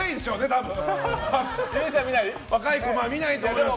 若い子、見ないと思います。